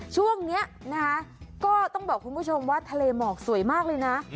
ช่วงนี้นะคะก็ต้องบอกคุณผู้ชมว่าทะเลหมอกสวยมากเลยนะ